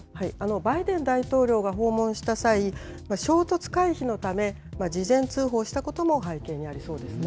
バイデン大統領が訪問した際衝突回避のため事前通報したことも背景にありそうですね。